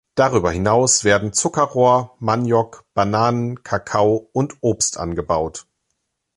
Darüber hinaus werden Zuckerrohr, Maniok, Bananen, Kakao und Obst angebaut.